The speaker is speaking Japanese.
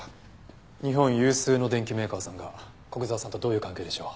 日本有数の電機メーカーさんが古久沢さんとどういう関係でしょう？